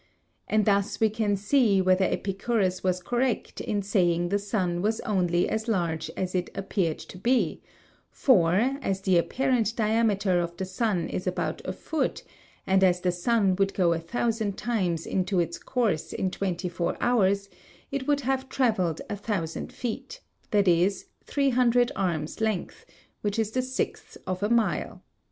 And thus we can see whether Epicurus was correct in saying the sun was only as large as it appeared to be; for as the apparent diameter of the sun is about a foot, and as the sun would go a thousand times into its course in twenty four hours, it would have travelled a thousand feet, that is, three hundred arms' length, which is the sixth of a mile.